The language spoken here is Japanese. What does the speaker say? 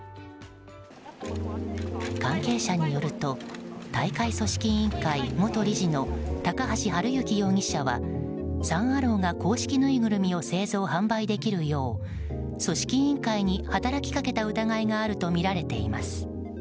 関係者によると大会組織委員会元理事の高橋治之容疑者はサン・アローが公式ぬいぐるみを製造・販売できるよう組織委員会に働きかけた疑いがあるとみられています。